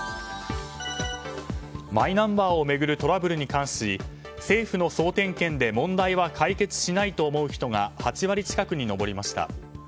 マイナンバーを巡るトラブルに関し政府の総点検で問題は解決しないと思う人が８割近くに上りました。